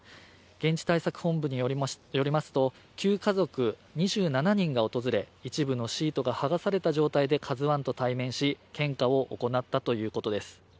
現地対策本部によりますと９家族２７人が訪れ一部のシートがはがされた状態で「ＫＡＺＵⅠ」と対面し、献花を行ったということです。